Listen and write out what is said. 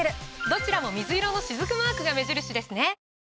どちらも水色のしずくマークが目印ですね！